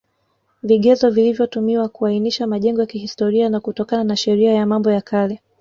Vigezo vilivyotumiwa kuainisha majengo ya kihstoria ni kutokana na Sheria ya mambo ya Kale